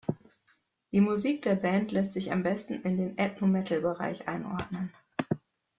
Die Musik der Band lässt sich am besten in den "Ethno Metal"-Bereich einordnen.